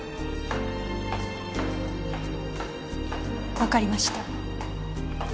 わかりました。